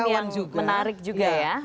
itu mungkin yang menarik juga ya